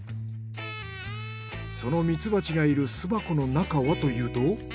そのミツバチがいる巣箱の中はというと。